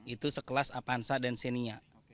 itu sekelas apansa dan senia